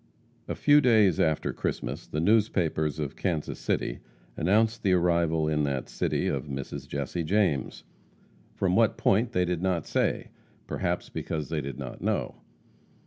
A few days after Christmas, the newspapers of Kansas City announced the arrival in that city of Mrs. Jesse James, from what point they did not say, perhaps because they did not know.